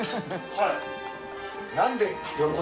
はい。